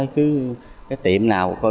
cứ cái tiệm nào